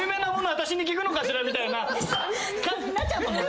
私に聞くのかしらみたいな感じになっちゃうもんね。